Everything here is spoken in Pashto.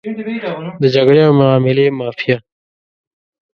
د جګړې او معاملې مافیا.